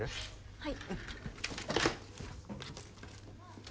はい。